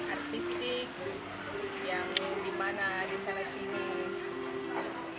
artistik yang dimana disana sini